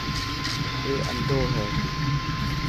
اي انڌو هي.